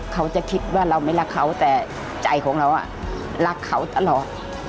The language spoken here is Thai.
เขาจะคิดว่าเราไม่รักเขาแต่ใจของเรารักเขาตลอด